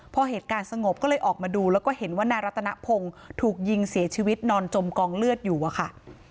พอเหตุการณ์สงบก็เลยออกมาดูแล้วก็เห็นว่านายรัตนพงศ์ถูกยิงเสียชีวิตนอนจมกองเลือดอยู่อะค่ะ